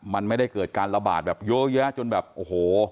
มันไม่ได้เกิดการระบาดแบบเยอะแยะจนแบบโอ้โห